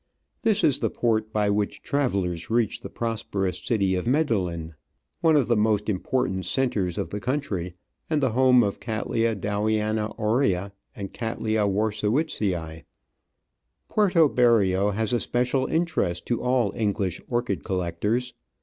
This is the port by which travellers reach the prosperous city of Medellin, one of the most important centres of the country, and the home of Cattleya Dowiana aurea and Cattleya Warscezvicziu Puerto Berrio has a special interest to all English orchid collectors.